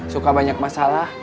suka banyak masalah